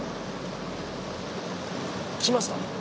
「来ました」